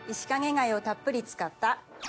貝をたっぷり使った。